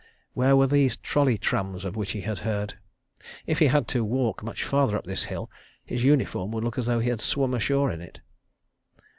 Where were these trolley trams of which he had heard? If he had to walk much farther up this hill, his uniform would look as though he had swum ashore in it.